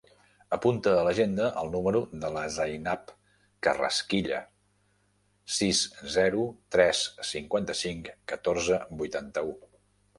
Apunta a l'agenda el número de la Zainab Carrasquilla: sis, zero, tres, cinquanta-cinc, catorze, vuitanta-u.